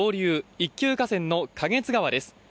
一級河川の花月川です。